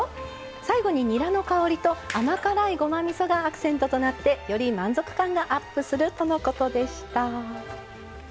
最後に、にらの香りと甘辛いごまみそがアクセントとなってより満足感がアップするとのことでした。